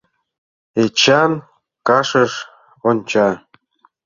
Эчан кашыш онча.